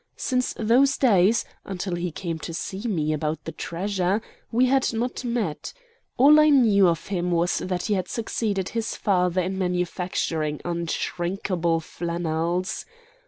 Since those days, until he came to see me about the treasure, we had not met. All I knew of him was that he had succeeded his father in manufacturing unshrinkable flannels.